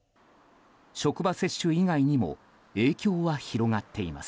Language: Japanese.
職場接種以外にも影響は広がっています。